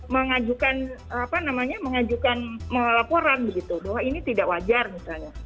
mengajukan apa namanya mengajukan laporan begitu bahwa ini tidak wajar misalnya